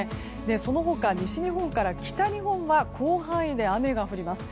その他、西日本から北日本は広範囲で雨が降ります。